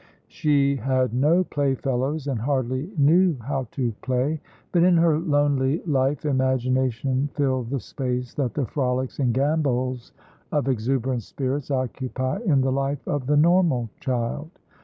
She had no playfellows, and hardly knew how to play; but in her lonely life imagination filled the space that the frolics and gambols of exuberant spirits occupy in the life of the normal child.